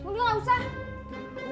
udah gak usah